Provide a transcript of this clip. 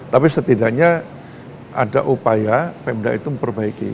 tapi setidaknya ada upaya pemda itu memperbaiki